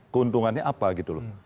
keuntungannya apa gitu loh